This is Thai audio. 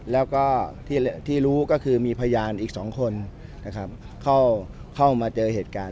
แล้วก็ที่รู้ก็คือมีพยานอีก๒คนนะครับเข้ามาเจอเหตุการณ์